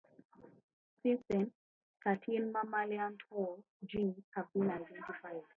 Since then, thirteen mammalian toll genes have been identified.